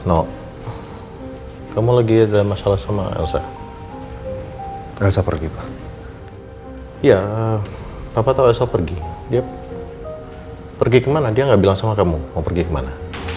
aku minta elsa untuk pergi dari rumah ini